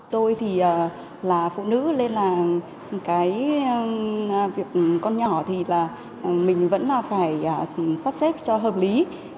tôi là phụ nữ nên việc con nhỏ mình vẫn phải sắp xếp cho hợp lý